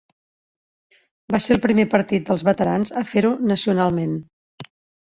Va ser el primer Partit dels Veterans a fer-ho nacionalment.